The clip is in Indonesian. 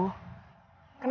kenapa kita berdua